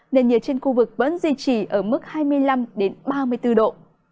nền nhiệt trên khu vực vẫn duy trì ở mức hai mươi năm ba mươi bốn độ